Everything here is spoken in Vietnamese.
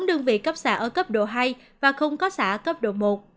bốn đơn vị cấp xã ở cấp độ hai và không có xã cấp độ một